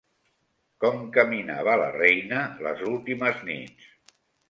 Com caminava la reina les últimes nits?